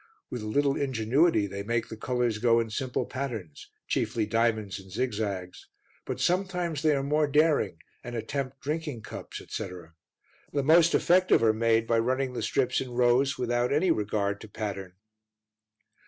With a little ingenuity they make the colours go in simple patterns, chiefly diamonds and zigzags; but sometimes they are more daring and attempt drinking cups, etc.: the most effective are made by running the strips in rows without any regard to pattern.